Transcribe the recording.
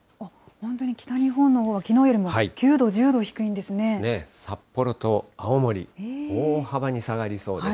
本当に北日本のほうは、きのうよりも９度、１０度低いんです札幌と青森、大幅に下がりそうです。